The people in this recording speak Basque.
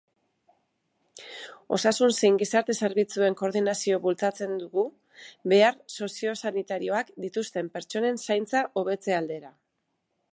Osasun zein gizarte zerbitzuen koordinazioa bultzatzen dugu, behar soziosanitarioak dituzten pertsonen zaintza hobetze aldera.